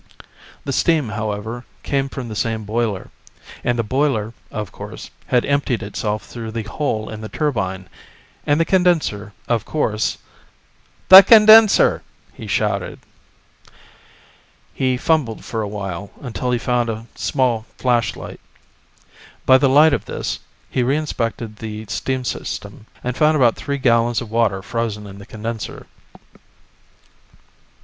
The steam, however, came from the same boiler. And the boiler, of course, had emptied itself through the hole in the turbine. And the condenser, of course "The condenser!" he shouted. He fumbled for a while, until he found a small flashlight. By the light of this, he reinspected the steam system, and found about three gallons of water frozen in the condenser.